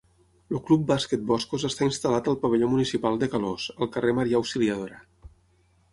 El Club Bàsquet Boscos està instal·lat al pavelló municipal de Calós, al carrer Maria Auxiliadora.